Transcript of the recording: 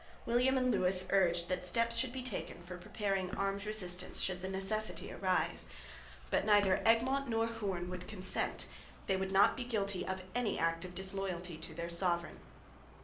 William and Lewis urged that steps should be taken for preparing armed resistance should the necessity arise. But neither Egmont nor Hoorn would consent; they would not be guilty of any act of disloyalty to their sovereign.